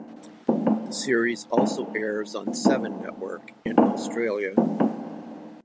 The series also airs on Seven Network in Australia.